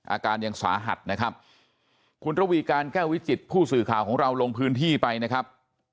อาการยังสาหัสนะครับคุณระวีการแก้ววิจิตผู้สื่อข่าวของเราลงพื้นที่ไปนะครับ